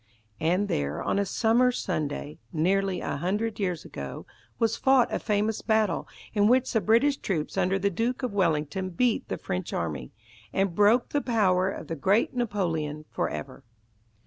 And there, on a summer Sunday, nearly a hundred years ago, was fought a famous battle, in which the British troops under the Duke of Wellington beat the French army, and broke the power of the great Napoleon for ever.